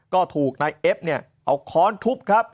ก็ถูกนายเอ็บเนี่ยเอาค้อนทุบครับ